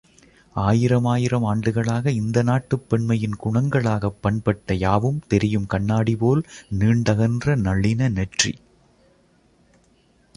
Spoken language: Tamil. ஆயிரமாயிரம் ஆண்டுகளாக, இந்த நாட்டுப் பெண்மையின் குணங்களாகப் பண்பட்ட யாவும் தெரியும் கண்ணாடிபோல் நீண்டகன்ற நளின நெற்றி.